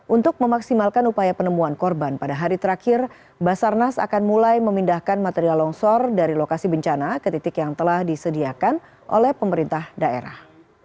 untuk memaksimalkan upaya penemuan korban pada hari terakhir basarnas akan mulai memindahkan material longsor dari lokasi bencana ke titik yang telah disediakan oleh pemerintah daerah